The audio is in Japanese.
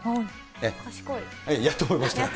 やっと覚えました。